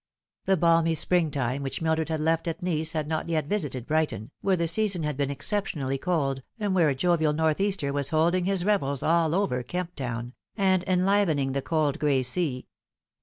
The balmy spring time which Mildred had left at Nice had not yet visited Brighton, where the season had been exceptionally cold, and where a jovial north easter was holding his revels all over Kemp Town, and enlivening the cold gray sea.